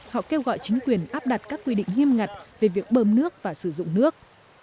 họ kêu gọi chính quyền áp đặt các quy định nghiêm ngặt về việc bơm nước và sử dụng nước